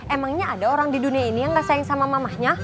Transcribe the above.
emangnya ada orang di dunia ini yang ngesayang sama mamahnya